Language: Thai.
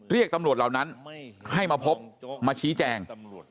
เรียกตำรวจเหล่านั้นให้มาพบมาชี้แจง